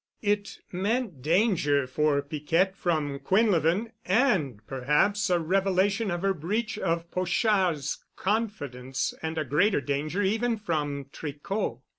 It meant danger for Piquette from Quinlevin and perhaps a revelation of her breech of Pochard's confidence and a greater danger even from Tricot.